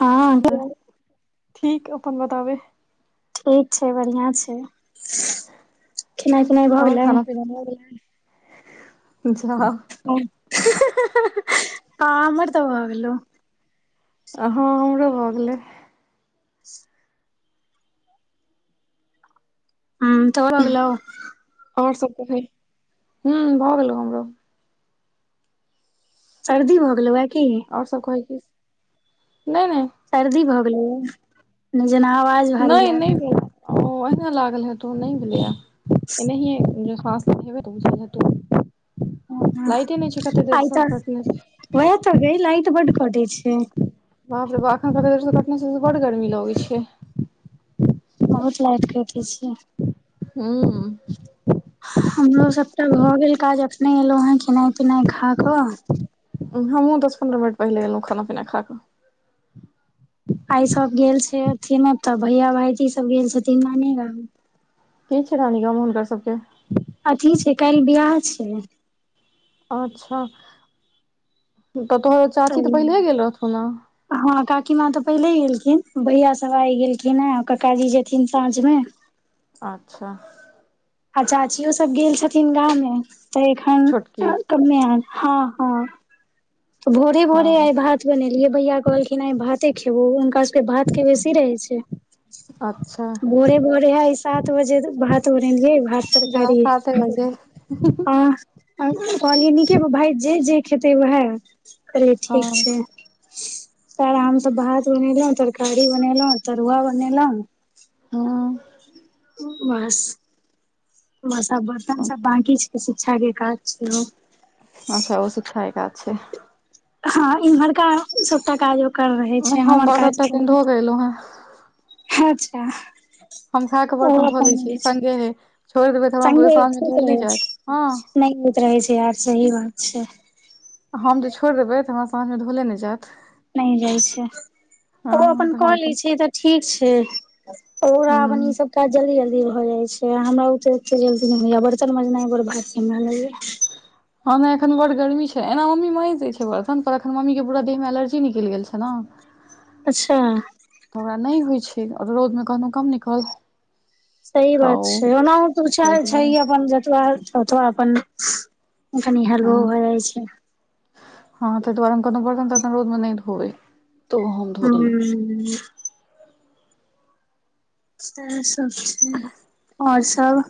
हँ आटल चल [unintelligible] ठीक अपन बताबे ठीक छैइ बन्हिआँ छैइ खेनाइ पिनाइ भऽ आओर गेलै खाना पीना भऽ गेलै जा हां हमर त भ गेलौ हँ हमरो भऽ गेलैइ ह तोहर भ गेलौ और सब कहि हूंअ् भऽ गेलौ हमरो सर्दी भ गेलौ ह कि और सब कहि सर्दी भऽ गेलैए जेना आवाज भारी नहि नहि लागल भेल ओ एहिना लागल हेतौ नई भेलैइय एनाहिए म तऽ बुझातौ ह आइ तऽ कटने छै। वैह तऽ गई लाइट बड्ड कटैइ छैइ बाप रे बाप एखन तक झुलफी कटने छिअई से बड़ गर्मी लगैय छैय बहुत लाइट कटैय छय हूंअ् हमरो सभटा भऽ गेल काज अखनहि एलहु ह खेनाइ पिनाइ खा कऽ हमहुं दस पन्द्रह मिनट पहिले ऐलहुँ खाना पीना खाकऽ आइ सब गेल छैय अथि न तऽ भैया भायजी सब गेल छथिन नानी गाम की नानी गाँव में हुनका सबके अथी छैय काल्हि बिआह छैय अच्छा तऽ तोहर चाची तऽ पहिले हे गेल रहथुन न ची माँ तऽ पहिलहि गेलखिन भैया सब आइ गेलखिन ह काकाजी जेथिन साँझ में अच्छा आ चाचियो सब गेल छथिन गाँंव में तऽ एखन छोटकी कमे आयल हँअ् हँअ् तऽ भोरे भोरे हँ आइ भात बनेलियै भैया कहलखिन आइ भाते खेबौ हुनका भात के बेसी रहै छै अच्छा भोरे भोरे हइ सात बजे भात बने लिए भात तरकारी ही हि आ कहलियै नीके भाय जे जे खेतै उएह कहलियै ठीक हँ छै सारा हमसभ भात बनेलहुँ तरकारी बनेलहुँ तरुआ बनेलहुँ हँ बस बस आब बर्तन सब बकी छै छागे काज छ अच्छा ओसुध छाय का छै हँ इम्हरका सभटा काजो कर रहे छै हम हमर बर्तन काज तर्तन धो के एलहुँ हेँ अच्छा हम खा कऽ ओ बर्तन धो ले अपन रहै छीयै छै, सङ्गे हे छोड़ि देबै तऽ हमरा संगे साँझमे ठीक धोल नहि रहै जायत छै ह नहि होइत रहै छै यार सही बात छै हम जे छोड़देबै तऽ हमरा साँझमे धोले नहि जायत नहि जाइत छै ओ हँ अपन तऽ कऽ हम लैत छै तऽ ठीक छै ओर आबनी हूँ ई सब काज जल्दी जल्दी जाइ छै हमरा उटे बर्तन मजनाय बर भारी हमरा ल हँ नहि एखन बड गर्मी छै एना मम्मी महिि दैत छै बर्तन पर एखन मम्मीके पूरा देहमे एलर्जी निकैल गेल छै ने अच्छा तऽ ओकरा नहि होइ छै ओर रौदमे कहनो कम न कहल सही बात छै ओना तछा ताहि छै दुआरे अपन जतबा ओतबा अपन कनि हँ हरो भऽ जाइ छै रोजमे नहि ध होइ ह इएह सभ छै आओर सभ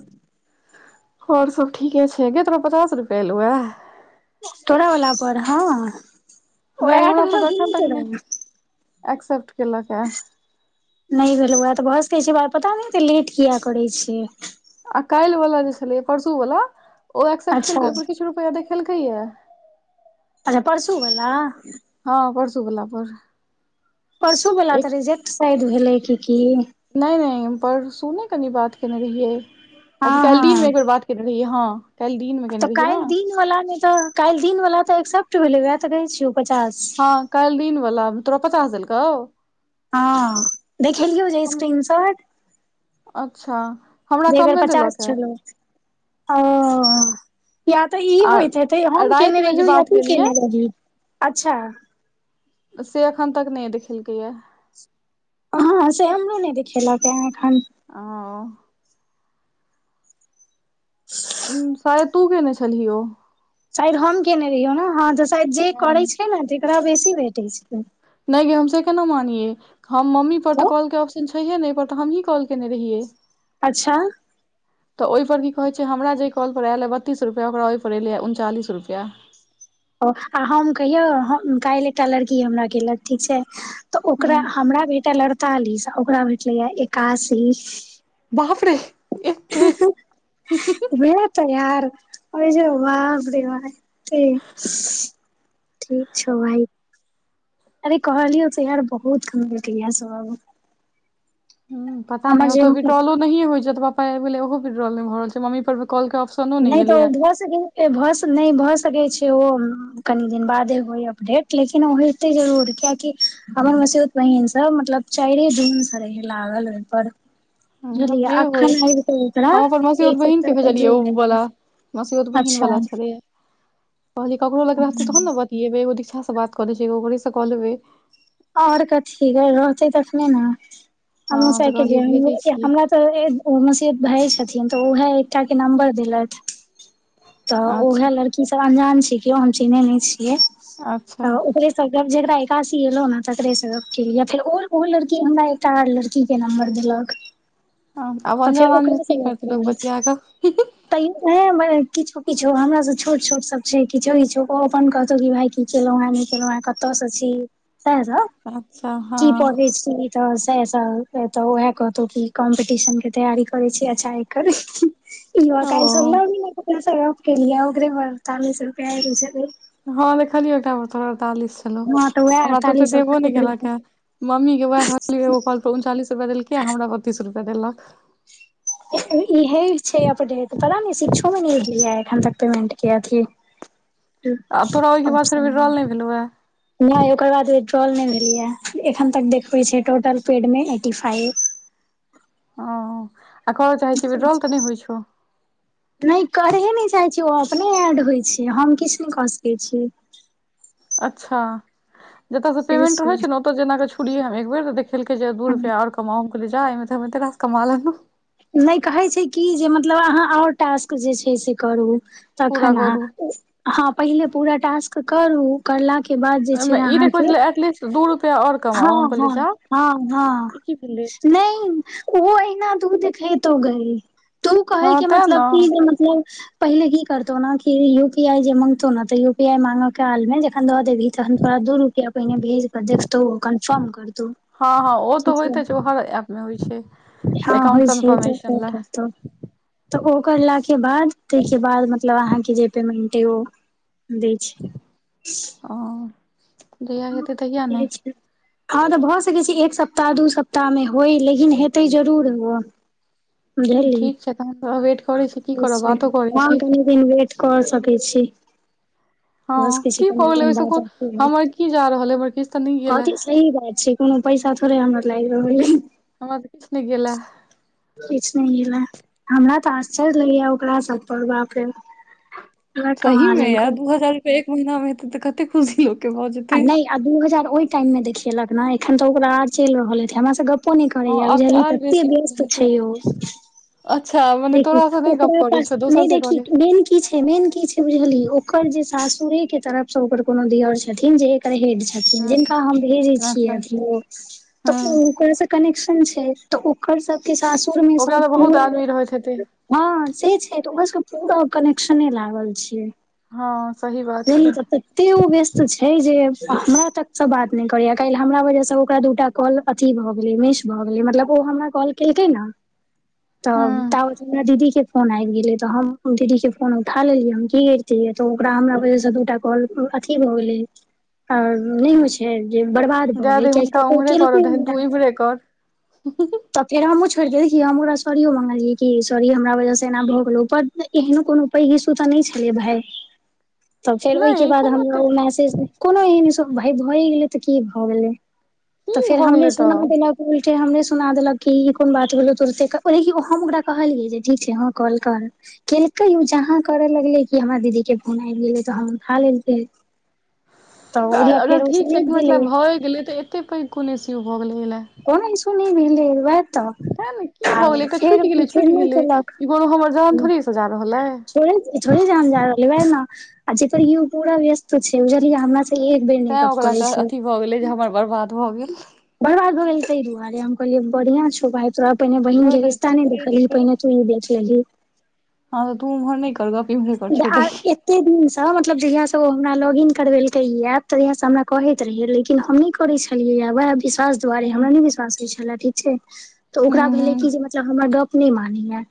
ओर सब ठीके छै गे तोरा पचास रुपआ एलौहे तोरा वला पर हँ ओ गे आठ हमरा पर तऽ एखन तक नहि घो एक्सेप्ट केलक ए नहि भेल ओ तऽ भसे छै ब पता नहित लेट किया करै छै आ काइल वाला जे छले परसू वाल ओ एक्सेप्ट केलै अच्छा के ओहि पर किछु रुपआ देख खेलकहिए अच्छा परसू वला हँ परसू गोला पर परसू वला तऽ रिजेक्ट साइड भेलै की की नैय नैय परसु ने कनी बात केने रहिै हँ अथि काल्हि दीन मे हँ एकर बात केने रहहिय हँ काल्हि दिनमे तऽ केने रहियै ने काल्ह दिन वाला नहि तऽ काल्हि दिन वाला तऽ एक्सेप्ट भेलै वएह तऽ कहै छियौ पचास हँ काल दिनवला तोरा पचास देलको हँ देखेलियौ जे हम स्क्रीन शॉट अच्छा हमरा देगर कमे पचास देलक ए छलो ओ या तऽ ई आ होयइत हेतय हम केने रातिमे जे रहियो या बात तू केलियै केने रहि अच्छा से अखन तक नहि देखलकए ह से हमरो नहि देखिखेलक ह एखन आ शायद तू केने छलहि ओ शायद हम कयने रहियौ ने हँ तऽ शायद जे हँ करैत छै ने तकरा बेसी भेटैत छै नैय गे हम से केना मानिये हम मम्मी पर तऽ कॉलकेँ ऑप्शन छै ते नहि पर तऽ हमही कॉल केने रहियै अच्छा तऽ ओहिपर की कहैत छै हमरा जेहि कॉलपर आयलए बतीस रुपैआ ओकरा ओहिपर एयलैए उनचालीस रुपैआ ओ आ हम कहियौ काल्हि एकटा लड़की हमरा केलक ठीक छै तऽ ओकरा हूँ हमरा भेटै लड़तालीस ओकरा भेटलैए एकासी बाप रे एते भै ते यार [unintelligible] अर जे वाप रे बाप र भ ठीक छौ भाइ अरे कहलियौ त यार बहुत कम भेटय यह सब ह पता नहि हमर जे ओतय विडोलो नहिए होइत छैक पाय अरब गेलय हो पिट्रल भ रहल छै मम्मी पर कॉल के ऑप्शनो नहि तो उ एलैया भस भस नहि बस कनि दिन बादे हो अपडेट लेकिन होेते जरूर कियकि त बहिन से मतलब चार दिनसँ स रहय लागल ओहि पर बुझलियै बजेबय अखन आबि कऽ ओकरा हम अपन मसियोत एक बहिन सप्ताह केँ भेजलियै पहिले ओ आबि त कऽ मसियोत बहिन अच्छा बला छलिए कहलिए ककरो ल रहतय तभो न बतेबय अच्छासँ बात करेैत छै ओकरेसँ कऽ लेबय ओर कथि है रहतै तखने ने हँ तऽ कहलियै भेजै हमोसाेलिए छियै हमरा तऽ मसीद भाय छथिन त उहए एकटा केँ नम्बर देलक त उहए अच्छा लड़कि सब अंजान हम चिनेने छियै अच्छा तऽ ओकरे सब जेकरा एकासी एलौ ने सकरे सके या फेर ओ लड़की हमरा एकटा लड़की केँ नम्बर देलक आब तऽ फेर अनजान आदमी ओकरा से की बात करतै लोक करलिये बतिया कऽ किछो किछो हमरा सब छोट छोट सब छैक किछो किछो ओ अपन कहतहु कि भायी केलहुॅ हई नहि केलहु कतयसँ छी अच्छा हँ कि पढय छी तऽ स तऽ तऽ ओएह कहतहुँ कि कॉम्पटिशनकेँ तैयारी करैत छीयेँ अच्छा एक यह ओ काल चलीरा सप केल य ओगरे बरत सप [unintelligible] हँ देख खाली ओ एकटा मे तोहर अरतालिस छलहुँ हँ तऽ वएह हमरा तऽ ओते अड़तालीस सौ देबो ने केल एकरे केँ मम्मी केँ वएह कहो उनचालीस देलक हमरा बतीस रुपआ देलक इहे छै अपडेट पता ने शिक्षोमे नलिय एखन तक पेमेंटकेँ अथी [inaudible] आ तोरा ओहिके बाद छ फेर विड्रॉल नहि भेलौ हे न ओकर बाद [unintelligible] ल एखन तक देखबै छै टोटल पेडमे एटी फाइव ओ आ करय चाहैत छिही विथड्रावल तऽ नहि होइत छौ नहि करहे नहि चाहै छी ओ अपने एड होइ छै हम किछु नहि कऽ सकैत छी अच्छा जतय से पेमेंट रहैत छै ने ओतय जेनाकेँ छोड़िये हम एक बेर खेलकेँ जे दू रुपैआ आर कमाई ल जा एहिमे तो हम एतय रास कमा लेलहुँ नहि कहैत छै कि जे मतलब अहाँ ओर टास्क जे छै से करू पूरा तखन अहाँ करू हँ पहिले पूरा टास्क करू करला केँ बाद जे छै ओहिमे ई देखबै अहाँके छलै एटलीस्ट दू रुपैआ आओर हँ कमाउ हम कहलियै हँ जा हँ हँ ई की भेलै नहि ओ एहना तू देखे तो गई तू हँ कहेके तें मतलब ने क जे मतलब पहिले की करतौ ने कि यू पी आई जे माँगतौ ने तऽ यू पी आई माँगे कालमे जखन दऽ देबही तखन तोरा दूर पाहिने भेज क कंफर्म करतहुँ हँ हँ ओ तऽ होइते छै ओ हर ऐप मे होइ छै हँ एकाउंट होइत छै तऽ कन्फर्मेशन लए करतौ तऽ ओ करलाक केँ बाद तहिकेँ बाद मतलब अहाँके जे पेमेंट दैत छैक ओ जहिया हेतै तहिया ने हँ तऽ भऽ सकैत छै एक सप्ताह दू सप्ताहमे होय लेकिन हेतय जरूर ओ ठीक छै तहन तऽ वेट करै छी की बुझली करब बातो करै छी घनी दिन वेट कर [unintelligible] सकैत छी हँ भऽ सकै छै की भऽ कनि गेलै दिन ओहिसँ बाद कोन अथी हमर की जा रहल अछि कथी सही बात छैक कोनो पैसा थोड़े हमरा लागि रहल अछि हमरा त किछ नहि गेला किछ हमरा तऽ आश्चर्य लै ओकरा सब पर बाप रे बा सही मे यार दू हजार रुपआ एक महीना मे हेतै तऽ कते खुशी ल आ नहि आ दू हजार ओहि टाइम मे देखेलक ने एखन तऽ ओकरा आ चलि रहल हेतय हमरा सँ गप गपो नहि हँ करैय आब तऽ बुझली आर ततेक बेसी भऽ व्यस्त जेतै छैक ओ अच्छा मने देख तोरा से नहि गप ओकरा करै पास छौ दोसर नहि से देखी करै मेन की छै मेन की छै बुझलियै ओकर जे साास सूर्य केँ तरफ से ओकर कोनो दियोर छथिन जे छथीन हँ जिनका हम भेजे अच्छा छिये हँ उनका से कनी छै तऽ ओकर सबकेँ सासुर मे ओकरा सब तऽ बहुत आदमी रहैत हेतै हँ से छै तऽ ओरा सबकेँ पूरा कनेक्शने लागल छैक हँ सही बात नहि छै तते वो व्यस्त छैक हे जे हमरा तक से बात नहि करेया काल हमरा वजह से ओकरा दूटा कॉल मिस भऽ गेलय भ गेलय मतलब ओ हमरा कॉल केलकय न [inaudible] तऽ ताबत मे दीदी के फोन आबि गेलै तऽ हम दीदीके फोन उठा लेलियै हम की करितियै तऽ ओकरा हमरा वजहसँ दू टा कॉल अथी भऽ गेलै। आ नहि होय छैय बर्बाद भ जाय गेल दही हुनका उम्हरे करऽ केलकै दही तू हम इम्हरे कर तऽ फेर हम पर देखिय हमरा सारीयो मंगलिये कि सॉरी हमरा वजहसँ एना भऽ गेलौ पर एहनो कोनो पैघ इसु तऽ नहि छलैक भाय तऽ फेर ओहिके नहि ई बाद कोनो ओते हमरा मैसेज कोनो एहन भाय भए गेलै तऽ की भऽ गेलै की भऽ गेलै तऽ [unintelligible] हमरे सुना देलक कि ई कोन बात भेलैक तुरंते ओ देखी हम ओकरा कहलियै जे ठीक छै हँ कॉल कर केलकय उ जहाँ करऽ लगले कि हमरा दीदी केँ फोन आबि गेलैक तहन उठा लेलकै [inaudible] तऽ अगर ठीक छै गेलै मतलब भए गेलै तऽ एतेक पैघ कोन इश्यू भऽ गेलै लए किछु नही भेलैक वएह तें ने की भऽ गेलै तऽ एकटा फेर छुटि गेलै फेर छुटि नहि गेलै केलक ई कोनो हमर जान थोड़े सजा रहल अइ थोड़े जान जा रहल ने वएह ना जे कहियो पूरा व्यस्त छैक बुझलिय एक बेर तैं मेकअप ओकरा करैत कह छै अथी भऽ गेलै जे हमर बर्बाद भऽ गेल बरबाद होै तय दुआरे हम कहलियै बढ़िया छौ भाय तो पहिने बहिन छोड़ि केँ दही रिश्ता तू नहि भेटलहुँ उम्हरे क ही कर पहिने तू ही देख लेल्ही हँ तऽ तू उम्हर नहि कर गप इम्हरे कर छोड़ि दही एते दिन स मतलब जहिया सॅं तऽ ओ हमरा लॉग इन करबेलके इ एप तऽ यं से हमरा कहैत रहेत लेकिन हम नहि करे छलियै इ वह विश्वास दुआरे हमरा हूँ नहि विश्वास होय छले ठीक छैय तऽ ओकरा भेले हूँ कि जे मतलब हमरा गप नी मानीय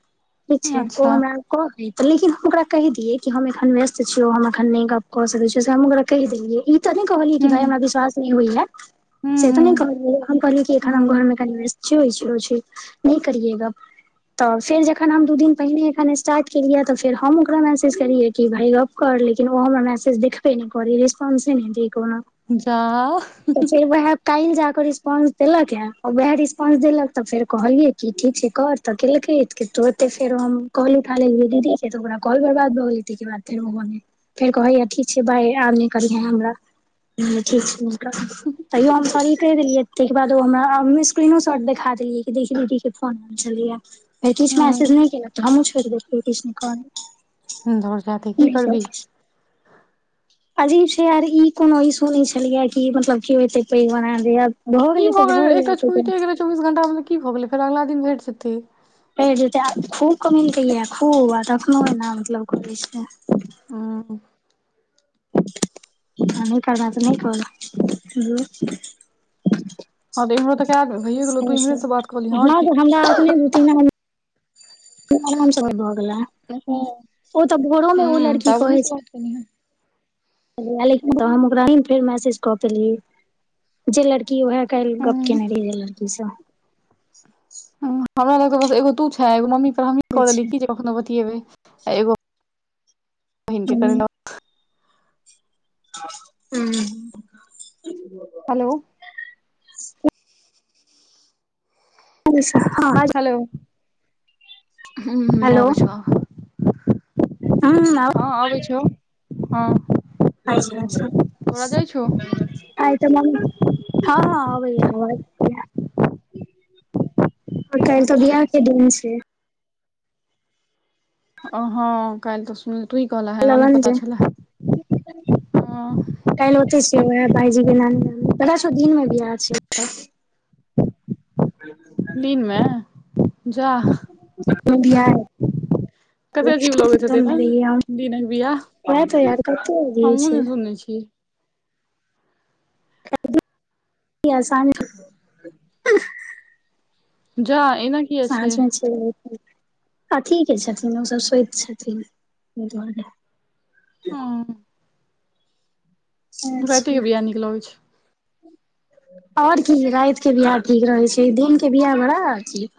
ठीक हूँ छैय ओ अच्छा हमरा कह हे लेकिन ओकरा कहि दिये कि हम एखन व्यस्त छियो हम एखन नहि गप क सकैत छीय से हम ओकरा कहि देलियै ई तऽ नहि कहलियै कि हूँ भाई हमरा विश्वास नहि होइ है। हूँ से तऽ नहि हूँ कहलिय हम कहलिय कि एखन हम हूँ घरमे कनि नहि करियै गप। तऽ फेर जखन हम दू दिन पहिनेे एखन स्टार्ट केलियै तऽ फेर हम ओकरा मैसेज करेलियै कि भाय गप कर लेकिन ओ हमरा मैसेज देखबे नहि करे। रिस्पॉंस नहि दै कोनो जा त फिर वह काहिल जााक रिस्पॉंस देलक है वएह रिस्पॉंस देलक तऽ फेर कहलियै क ठीक छैय कर। तऽ केलकै तो एते फेर हम कॉल उठा लेलिये दीदी के तऽ ओकरा काॅल बर्बाद भऽ गेलै ताहि बाद फेरो फेर कहैया ठीक छैय बाय आब नहि करिहे हमरा। ठीक छैय तैयो हम सॉरी कहि देलियै ताहिके बाद ओ हमरा स्क्रीनो शॉट देखा देलिए कि देखि दीदि के फोन छलै आ फिर किछु मैसेज हूँ नहि केलक तऽ हमहुँ छोड़ देियै किछु नहि कहलिए। दौड़ जेदही की करबिहि अजीब छैय आर ई कोनो ई सुन छलियै कि मतलब केओ एते पैघ बना जे की भऽ गेलै एकटा छूईटे गेलै चौबीस घंटा तऽ की भऽ गेलै फेर अगिला दिन भेट जेतै। पैर जेतै आ खूब क मिलतै यए खूब आ तखनो एना मतलब करै छैय। हँ आ नहि करबा तऽ नहि कर हँ तऽ इम्हरो तऽ कए बेर भइए गेलौ तू इम्हरे सँ बात कऽ लिहे आओर हँ की तो हमरा अपने दू तीन आदम आरामसँ भ हूँ बहुत ओ तऽ भोरो मे ओ हूँ तऽ लड़की आब ओहि कहै सँ छैय। बात कऽ लिहे लेकिन तऽ हम ओकरा ह ने फेर मैसेज कऽ देलीय जे लड़ की उएहे काल्हि गप हूँ केने रहि लड़की स हमरा लगके बस एगो तू छँ एगो मम्मी परर हमहीँ कऽ देलियै अच्छा कि जे कखनोहु बतियेबै आ एगो बहिन के करण ह हेलो र हँ [unintelligible] ह हेलो आबैत छै हँ आबै छहुँ हँ अच्छा अच्छा तोरा जाइ छौ आय त हँ हँ ओ आवाज छैय आ काल तऽ बियाह अच्छा के दिन छैय। ओ हँ कल तऽ सुन तू कहल ह नहि लगन पता छै छल ह। भाइजी के नानी नानी त दिन मे बीहाय छैय। दिनमे ह जाह तिय कते अजीब लगैत हेतय ने बिना बियाह वएह तऽ यार कते अजीब हमू छै ने सुने छी खदी आसान जा एना किया छै साँझमे छैय अथीके छथिन ओसभ सोच छथिन दुआरे हँ रत अच्छा के बियाह निकलैत छैय। ओर की रातिकेँ बियाह ठीक रहय छैक दिनकेँ बियाह बड़ा अथि